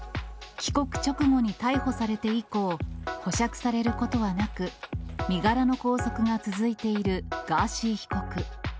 帰国直後に逮捕されて以降、保釈されることはなく、身柄の拘束が続いているガーシー被告。